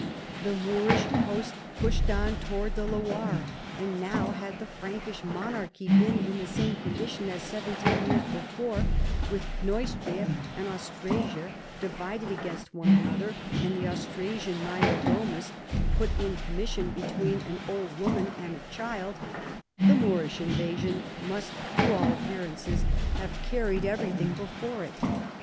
The Moorish host pushed on towards tlie Loire; and now, had the Frankish monarchy been in the same condition as seventeen years be fore, with ISTeustria and Anstrasia divided against one another, and the Austrasian major domat put in commission between an old woman and a cliihl, the Moorish invasion must to all appearance have carried 56 CHARLEMAGNE. everything before it.